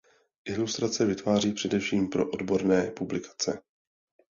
Ilustrace vytváří především pro odborné publikace.